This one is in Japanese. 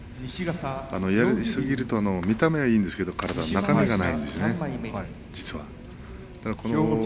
やりすぎると見た目はいいんですけれど中身がないですね。